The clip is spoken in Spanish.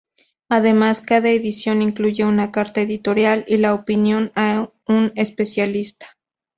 Además, cada edición incluye una carta editorial y la opinión a un especialista.